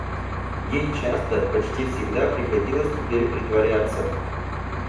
Ей часто, почти всегда, приходилось теперь притворяться.